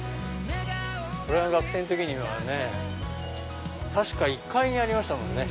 俺が学生の時にはね確か１階にありましたもんね